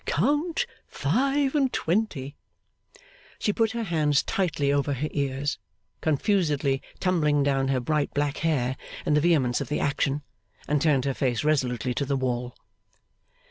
Count five and twenty!' She put her hands tightly over her ears, confusedly tumbling down her bright black hair in the vehemence of the action, and turned her face resolutely to the wall.